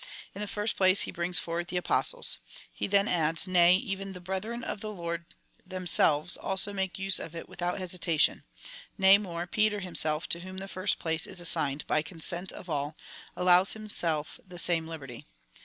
In the first place, he brings forward the Apostles. He then adds, " Nay, even the brethren of the XorcZ themselves also make use of it with out hesitation — nay more, Peter himself, to whom the first place is assigned by consent of all, allows himself the same liberty."